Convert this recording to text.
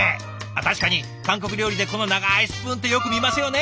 確かに韓国料理でこの長いスプーンってよく見ますよね。